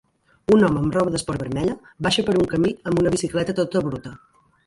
Un home amb roba d'esport vermella baixa per un camí amb una bicicleta tota bruta